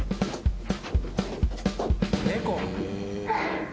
猫。